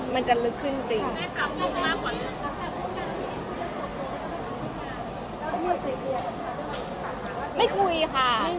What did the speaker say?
มันจะลึกขึ้นจริง